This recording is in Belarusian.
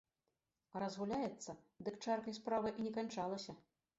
А разгуляецца, дык чаркай справа і не канчалася.